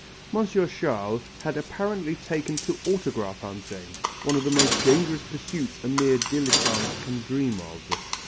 Monsieur Chasles had apparently taken to autograph hunting, one of the most dangerous pursuits a mere dilettante can dream of.